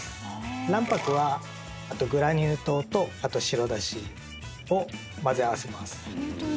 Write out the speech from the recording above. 卵白はグラニュー糖と白だしを混ぜ合わせます。